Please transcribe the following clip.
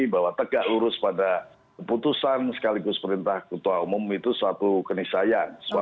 bahwa tegak lurus pada keputusan sekaligus perintah ketua umum itu suatu kenisayaan